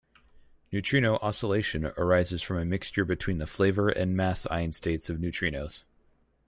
Neutrino oscillation arises from a mixture between the flavor and mass eigenstates of neutrinos.